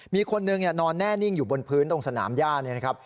มีคนนึงนอนแน่นิ่งอยู่บนพื้นตรงสนามย่า